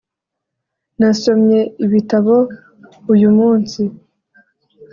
Nasomye ibitbo uyu munsi